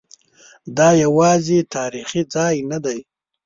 دا یوازې تاریخي ځای نه دی.